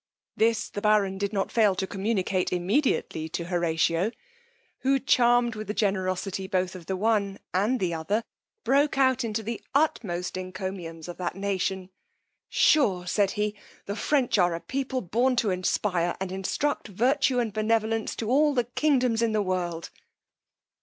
This the baron did not fail to communicate immediately to Horatio, who, charm'd with the generosity both of the one and the other, broke out into the utmost encomiums of that nation: sure, said he, the French are a people born to inspire and instruct virtue and benevolence to all the kingdoms in the world!